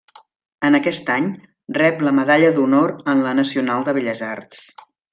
En aquest any, rep la Medalla d'Honor en la Nacional de Belles arts.